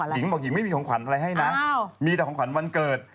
หญิงบอกหญิงไม่มีของขวัญอะไรให้นะมีแต่ของขวัญวันเกิด